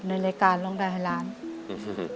อเรนนี่คือเหตุการณ์เริ่มต้นหลอนช่วงแรกแล้วมีอะไรอีก